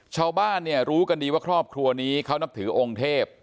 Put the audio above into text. ชาวบ้านเนี่ยรู้กันดีว่าครอบครัวนี้เขานับถือองค์เทพ